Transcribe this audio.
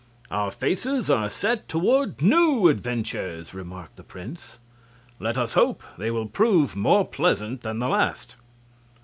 "Our faces are set toward new adventures," remarked the prince. "Let us hope they will prove more pleasant than the last."